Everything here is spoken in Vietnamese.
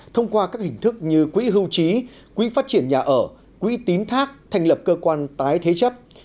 thông qua các hình thức như quỹ hưu trí quỹ phát triển nhà ở quỹ tín thác thành lập cơ quan tái thế chấp